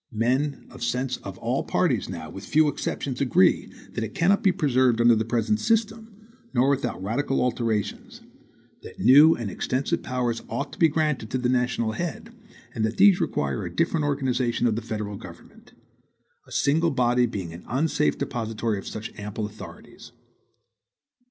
Men of sense of all parties now, with few exceptions, agree that it cannot be preserved under the present system, nor without radical alterations; that new and extensive powers ought to be granted to the national head, and that these require a different organization of the federal government a single body being an unsafe depositary of such ample authorities.